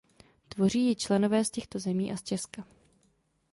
Tvoří ji členové z těchto zemí a z Česka.